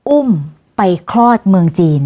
อุ้มไปคลอดเมืองจีน